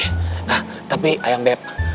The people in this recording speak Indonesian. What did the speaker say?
hah tapi ayang beb